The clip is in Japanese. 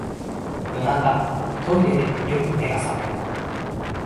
夜中、トイレでよく目が覚める